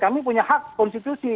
kami punya hak konstitusi